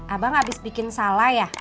abang abis bikin salah ya